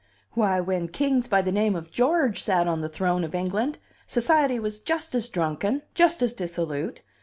Why, when kings by the name of George sat on the throne of England, society was just as drunken, just as dissolute!